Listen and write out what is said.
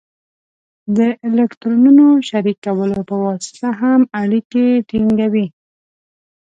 د الکترونونو شریکولو په واسطه هم اړیکې ټینګوي.